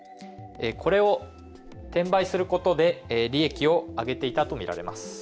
これを転売することで利益を上げていたとみられます。